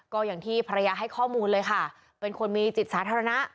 ก็อย่างที่ภรรยาให้ข้อมูลเลยค่ะเป็นคนมีจิตสาธารณะ